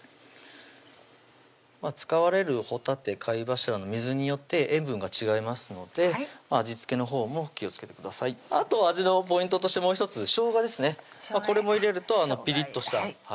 使われるほたて貝柱の水によって塩分が違いますので味付けのほうも気をつけてくださいあと味のポイントとしてもう１つしょうがですねこれも入れるとピリッとしたこれも必ず入れてください